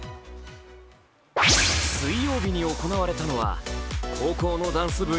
水曜日に行われたのは高校のダンス部